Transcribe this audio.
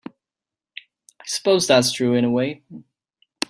I suppose that's true in a way.